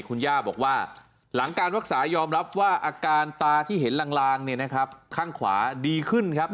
คุณย่าบอกว่าหลังการรักษายอมรับว่าอาการตาที่เห็นลางเนี่ยนะครับข้างขวาดีขึ้นครับ